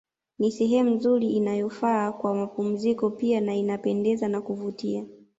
Ni sehemu nzuri inayofaa kwa mapumziko pia na inapendeza na kuvutia